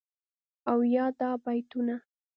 او یادا بیتونه..